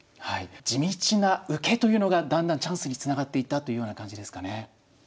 はい地道な受けというのがだんだんチャンスにつながっていったというような感じですかね。